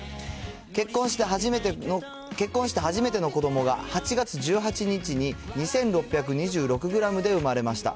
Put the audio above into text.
結婚して初めての子どもが８月１８日に２６２６グラムで生まれました。